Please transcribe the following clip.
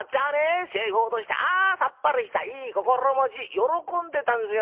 財布落として『あさっぱりしたいい心持ち』喜んでたんすよ。